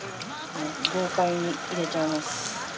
豪快に入れちゃいます。